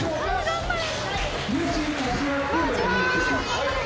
頑張れ！